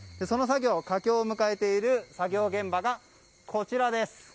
佳境を迎えている作業現場がこちらです。